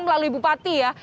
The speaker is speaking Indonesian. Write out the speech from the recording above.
melalui bupati ya